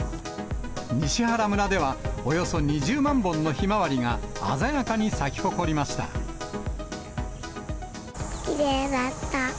西原村では、およそ２０万本のひまわりが、鮮やかに咲き誇りましきれいだった。